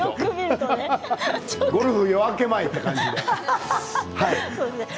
ゴルフ夜明け前という感じで。